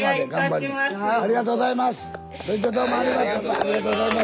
ありがとうございます。